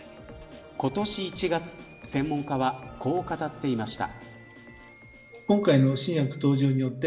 今年１月専門家はこう語っていました。